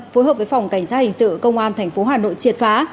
phối hợp với phòng cảnh sát hình sự công an tp hà nội triệt phá